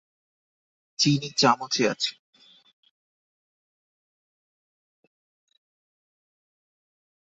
চিনি চামচে আছে।